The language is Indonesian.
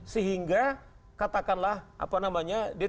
sehingga katakanlah apa namanya